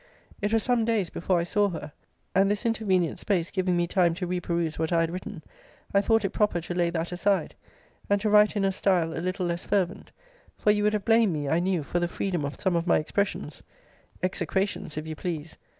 It was some days before I saw her: and this intervenient space giving me time to reperuse what I had written, I thought it proper to lay that aside, and to write in a style a little less fervent; for you would have blamed me, I knew, for the freedom of some of my expressions, (execrations, if you please.)